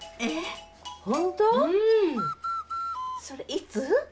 それいつ？